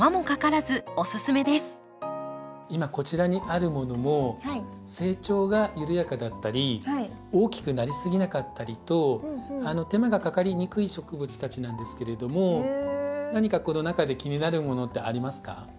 今こちらにあるものも成長が緩やかだったり大きくなりすぎなかったりと手間がかかりにくい植物たちなんですけれども何かこの中で気になるものってありますか？